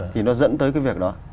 thì nó dẫn tới cái việc đó